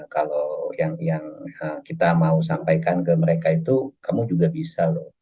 kalau yang kita mau sampaikan ke mereka itu kamu juga bisa loh